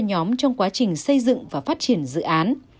để giúp cho nhóm trong quá trình xây dựng và phát triển dự án